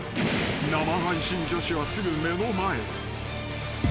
［生配信女子はすぐ目の前］